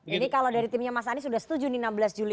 jadi kalau dari timnya mas anies sudah setuju nih enam belas juli